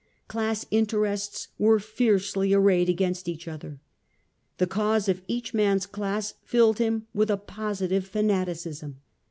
Class interests were fiercely arrayed against each other. The cause of each man's class filled him with a posi tive fanaticism.